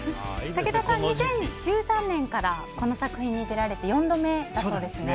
武田さん、２０１３年からこの作品に出られて４度目だそうですね。